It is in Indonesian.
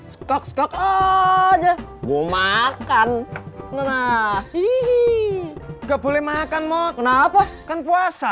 skak skak aja gua makan nah iiih gak boleh makan mod kenapa kan puasa